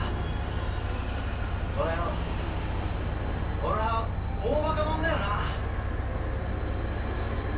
俺は大ばか者だよなあ！